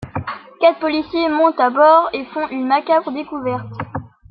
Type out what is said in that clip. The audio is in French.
Quatre policiers montent à bord et font une macabre découverte.